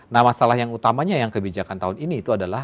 nah masalah yang utamanya yang kebijakan tahun ini itu adalah